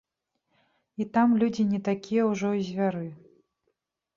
І там людзі не такія ўжо і звяры.